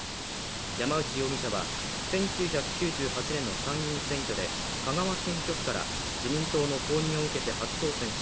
山内容疑者は１９９８年の参議院選挙で香川選挙区から自民党の公認を受けて初当選し、